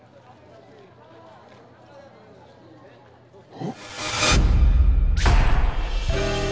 おっ！